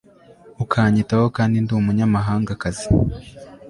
ukanyitaho kandi ndi umunyamahangakazi